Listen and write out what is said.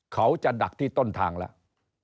เขาจะดักที่ต้นทางแล้ว